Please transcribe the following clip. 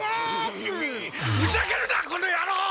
ふざけるなこのやろう！